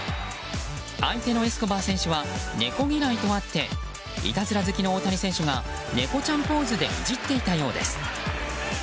相手のエスコバー選手は猫嫌いとあっていたずら好きの大谷選手が猫ちゃんポーズでいじっていたようです。